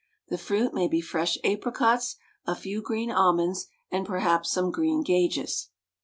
The fruit may be fresh apricots, a few green almonds and perhaps some green gages.